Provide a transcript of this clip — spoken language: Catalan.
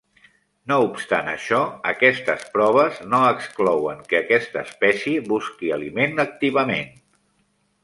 No obstant això, aquestes proves no exclouen que aquesta espècie busqui aliment activament.